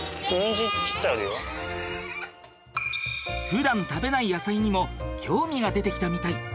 ふだん食べない野菜にも興味が出てきたみたい。